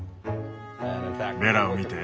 ベラを見て。